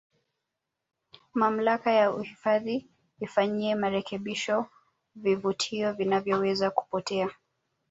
mamlaka ya uhifadhi ifanyie marekebisho vivutio vinavyoweza kupotea